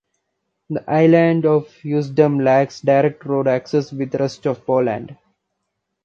The island of Usedom lacks direct road access with the rest of Poland.